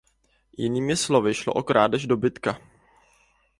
Jinými slovy šlo o krádež dobytka.